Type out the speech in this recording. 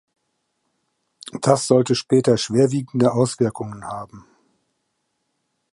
Das sollte später schwerwiegende Auswirkungen haben.